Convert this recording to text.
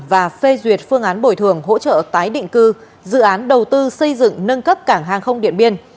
và phê duyệt phương án bồi thường hỗ trợ tái định cư dự án đầu tư xây dựng nâng cấp cảng hàng không điện biên